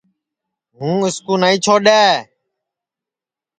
ہُوں اُس کُو نائی چھوڈؔے